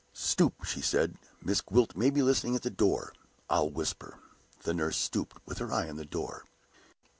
"Stoop," she said. "Miss Gwilt may be listening at the door. I'll whisper." The nurse stooped, with her eye on the door.